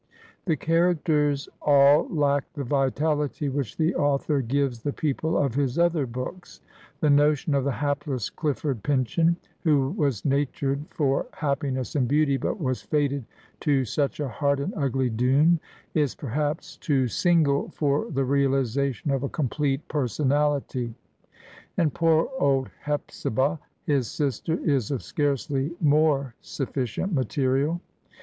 The charac ters all lack the vitality which the author gives the people of his other books. The notion of the hapless Clifford Pyncheon, who was natured for happiness and beauty, but was fated to such a hard and ugly doom, is perhaps too single for the realization of a com plete personality; €Uid poor old Hepzibah, his sister, is of scarcely more sufficient material.